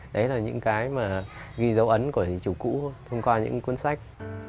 đấy là những cái mà ghi dấu ấn của hình chủ cũ thông qua những cuốn sách